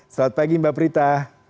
selamat pagi mbak prita